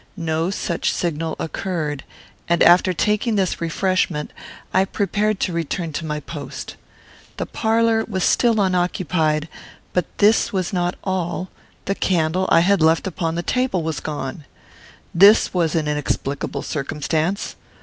No such signal occurred, and, after taking this refreshment, I prepared to return to my post. The parlour was still unoccupied, but this was not all; the candle I had left upon the table was gone. This was an inexplicable circumstance.